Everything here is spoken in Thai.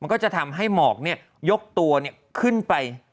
ก็จะทำให้หมอกยกตัวขึ้นไป